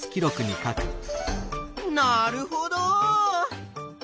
なるほど。